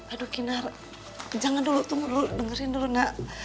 aduh kinar jangan dulu tunggu dulu dengerin dulu nak